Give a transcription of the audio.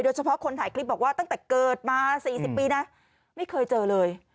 เฉพาะคนถ่ายคลิปบอกว่าตั้งแต่เกิดมา๔๐ปีนะไม่เคยเจอเลย